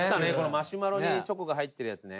マシュマロにチョコが入ってるやつね。